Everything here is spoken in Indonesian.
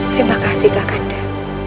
terima kasih kak kanda